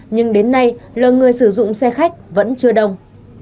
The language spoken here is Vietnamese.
nhưng đến nay lượng người sử dụng xe khách vẫn chưa đông